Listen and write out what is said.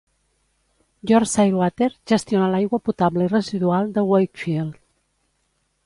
Yorkshire Water gestiona l'aigua potable i residual de Wakefield.